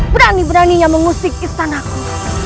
berani beraninya mengusik istanaku